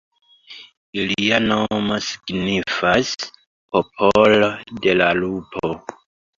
Ilia nomo signifas "popolo de la lupo".